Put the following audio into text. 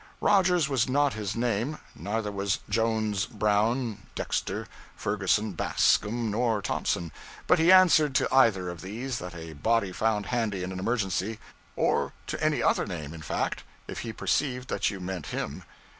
Rogers was not his name; neither was Jones, Brown, Dexter, Ferguson, Bascom, nor Thompson; but he answered to either of these that a body found handy in an emergency; or to any other name, in fact, if he perceived that you meant him.